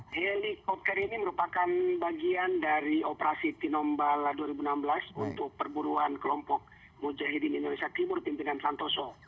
helikopter ini merupakan bagian dari operasi tinombala dua ribu enam belas untuk perburuan kelompok mujahidin indonesia timur pimpinan santoso